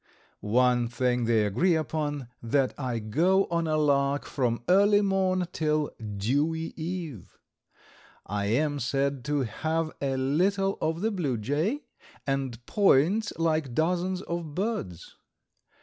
One thing they agree upon, that I go on a lark from early morn till "Dewey eve." I am said to have a little of the bluejay, and points like dozens of birds.